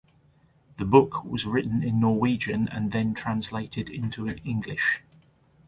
The book was written in Norwegian and then translated into English.